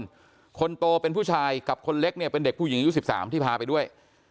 คนคนโตเป็นผู้ชายกับคนเล็กเนี่ยเป็นเด็กผู้หญิงอายุ๑๓ที่พาไปด้วย